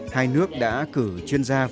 hai nước đã cử chuyên gia phối hợp